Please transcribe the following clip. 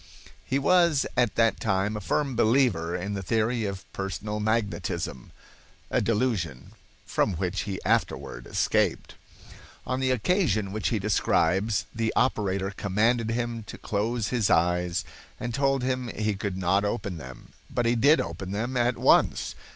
He was at that time a firm believer in the theory of personal magnetism (a delusion from which he afterward escaped). On the occasion which he describes, the operator commanded him to close his eyes and told him he could not open them, but he did open them at once.